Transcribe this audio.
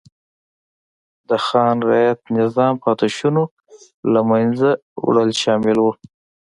د خان رعیت نظام پاتې شونو له منځه وړل شامل و.